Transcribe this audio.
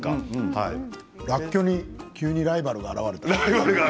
らっきょうに急にライバルが現れた。